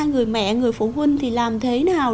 người mẹ người phụ huynh thì làm thế nào